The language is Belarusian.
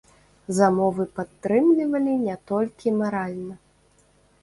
Замовы падтрымлівалі не толькі маральна.